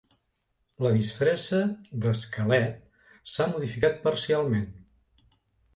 La disfressa d"esquelet s"ha modificat parcialment.